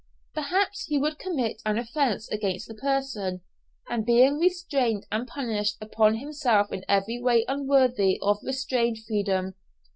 Perhaps he would commit an offence against the person, and bring restraint and punishment upon himself in every way unworthy of unrestrained freedom.